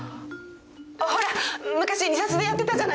ほら昔２サスでやってたじゃないですか。